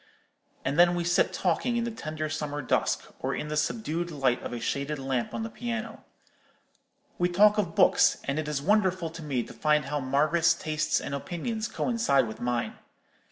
And then we sit talking in the tender summer dusk, or in the subdued light of a shaded lamp on the piano. We talk of books; and it is wonderful to me to find how Margaret's tastes and opinions coincide with mine.